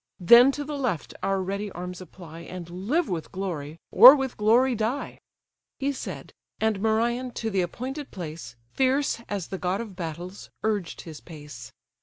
Then to the left our ready arms apply, And live with glory, or with glory die." He said: and Merion to th' appointed place, Fierce as the god of battles, urged his pace.